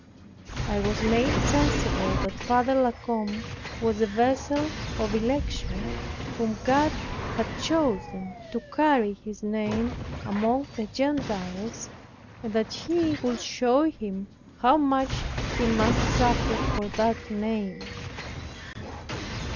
I was made sensible that Father La Combe was a vessel of election, whom God had chosen to carry His name among the Gentiles, and that He would show him how much he must suffer for that name.